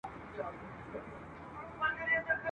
بس دا یو خوی مي د پښتنو دی ..